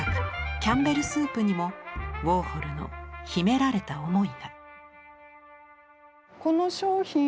「キャンベルスープ」にもウォーホルの秘められた思いが。